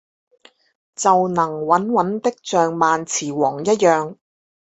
就能穩穩的像萬磁王一樣